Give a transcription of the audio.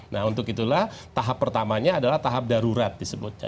nah untuk itulah tahap pertamanya adalah tahap darurat disebutnya